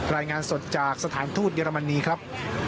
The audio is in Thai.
รายงานสดจากสถานทูตเยอรมนีครับ